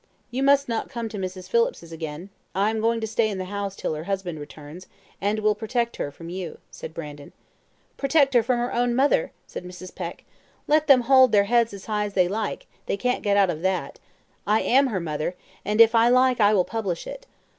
"You must not come to Mrs. Phillips's again. I am going to stay in the house till her husband returns, and will protect her from you," said Brandon. "Protect her from her own mother!" said Mrs. Peck. "Let them hold their heads as high as they like, they can't get out of that. I am her mother, and if I like I will publish it.